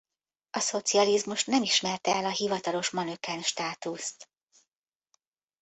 A szocializmus nem ismerte el a hivatalos manöken státuszt.